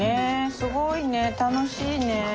すごいね楽しいね。